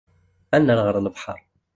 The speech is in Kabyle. Ad nerr ɣer lebḥer.